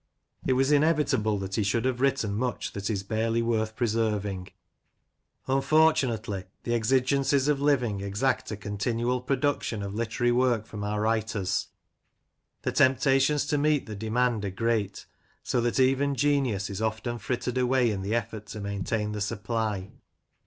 It was inevitable that he should have written much that is barely worth preserving; unfortunately, the exigencies of living exact a continual production of literary work from our writers ; the temptations to meet the demand are great, so that even genius is often frittered away in the effort to maintain the supply.